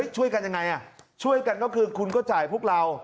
ช่วยกันยังไงช่วยกันก็คือคุณก็จ่ายพวกเรา